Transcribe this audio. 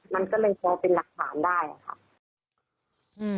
มันก็เลยพอเป็นหลักฐานได้ค่ะ